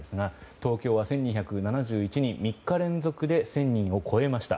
東京は１２７１人３日連続で１０００人を超えました